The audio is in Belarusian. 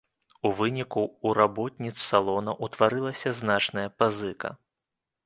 У выніку ў работніц салона ўтварылася значная пазыка.